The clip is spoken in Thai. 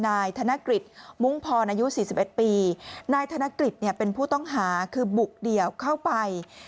นายธนกฤษมุ้งพรอายุ๔๑ปีนายธนกฤษเนี่ยเป็นผู้ต้องหาคือบุกเดี่ยวเข้าไป